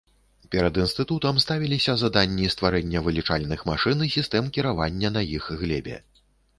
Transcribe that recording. Перад інстытутам ставіліся заданні стварэння вылічальных машын і сістэм кіравання на іх глебе.